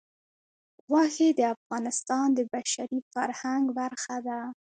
غوښې د افغانستان د بشري فرهنګ برخه ده.